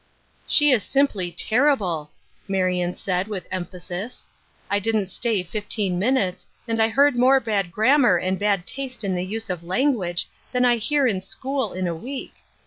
" She is simply terrible !" Marion said, with emphasis. " I didn't stay fifteen minutes, and I heard more bad grammar and bad taste in the use of language than I hear in school in a week.